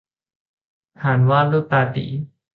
ฐานวาดรูปตาตี่